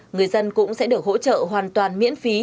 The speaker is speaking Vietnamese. người dân cũng sẽ được hỗ trợ hoàn toàn miễn phí